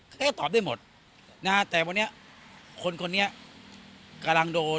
จะตอบได้หมดแต่วันนี้คนนี้กำลังโดน